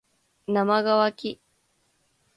なまがわき